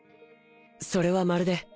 それはまるで。